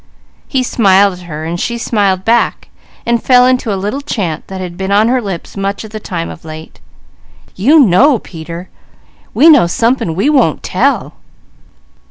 He smiled at her. She smiled back, falling into a little chant that had been on her lips much of the time of late: "You know, Peter! You know, Peter! We know somepin' we won't tell!"